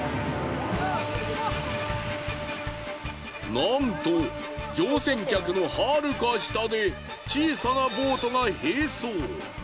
なんと乗船客のはるか下で小さなボートが並走。